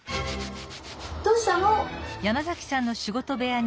どうしたの？